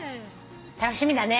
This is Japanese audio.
楽しみだね